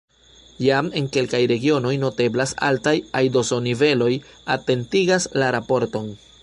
Jam en kelkaj regionoj noteblas altaj aidoso-niveloj, atentigas la raporto.